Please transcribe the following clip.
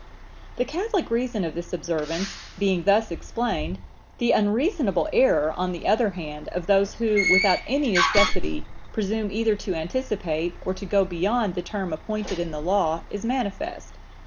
"The catholic reason of this observance being thus explained, the unreasonable error, on the other hand, of those who, without any necessity, presume either to anticipate, or to go beyond the term appointed in the Law, is manifest.